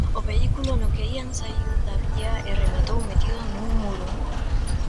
O vehículo no que ían saíu da vía e rematou metido nun muro.